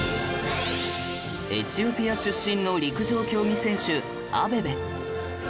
エチオピア出身の陸上競技選手アベベ